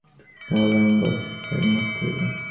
তা হলে আমার বৎসরটাই নষ্ট হইবে।